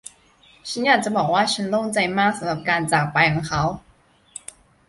ฉันอยากจะบอกว่า ฉันโล่งใจมากสำหรับการจากไปของเขา